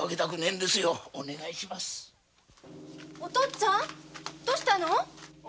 お父っつぁんどうしたの？